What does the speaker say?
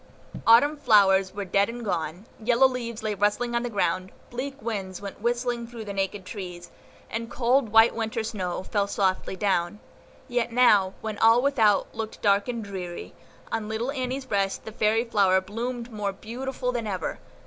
Autumn flowers were dead and gone, yellow leaves lay rustling on the ground, bleak winds went whistling through the naked trees, and cold, white Winter snow fell softly down; yet now, when all without looked dark and dreary, on little Annie's breast the fairy flower bloomed more beautiful than ever.